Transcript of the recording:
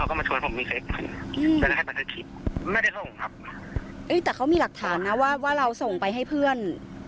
อ้าวแต่เขามีหลักฐานนะว่าเราส่งไปให้เพื่อน